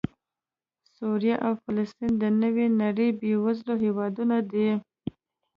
سوریه او فلسطین د نوې نړۍ بېوزله هېوادونه دي